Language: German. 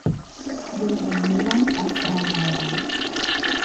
Wilhelm Müller war Freimaurer.